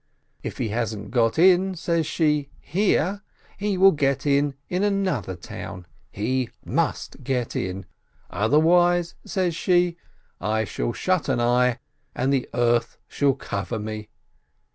If he hasn't got in," says she, "here, he will get in in another town — he must get in! Otherwise," says she, "I shall shut an eye, and the earth shall cover me!"